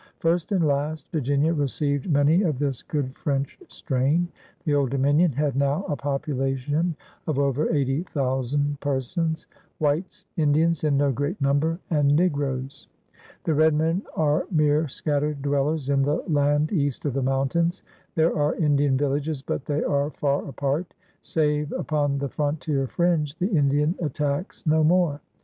First and last, Virginia received many of this good French strain. The Old Dominion had now a population of over eighty thousand persons — whites, Indians in no great number, and negroes. The red men are mere scattered dwellers in the land east of the mountains. There are Indian vil lages, but they are far apart. Save upon the fron tier fringe, the Indian attacks no more.